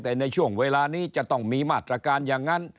แต่ในช่วงเวลานี้จะต้องมีมาตรการอย่างนั้น